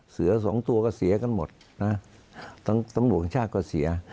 สองตัวก็เสียกันหมดนะตำรวจแห่งชาติก็เสีย